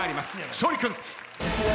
勝利君。